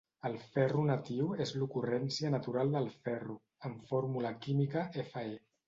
El ferro natiu és l'ocurrència natural del ferro, amb fórmula química Fe.